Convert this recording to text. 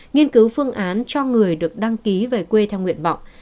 nghiên cứu phương án cho người được đăng ký về quê theo nguyện vọng